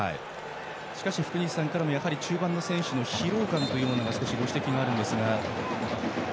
しかし福西さんからも中盤の選手の疲労感とご指摘がありましたが。